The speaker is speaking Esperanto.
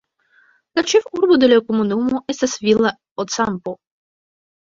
La ĉefurbo de la komunumo estas Villa Ocampo.